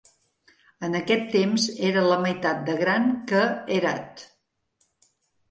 En aquest temps era la meitat de gran que Herat.